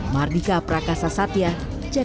mardika prakasa satya ckp